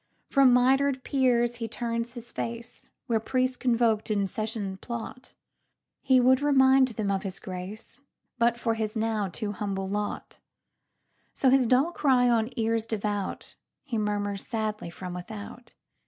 From mitred peers he turns his face. Where priests convok'd in session plot, He would remind them of his graceBut for his now too humble lot; So his dull cry on ears devoutHe murmurs sadly from without.